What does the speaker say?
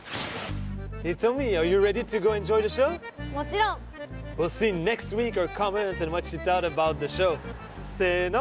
もちろん。せの。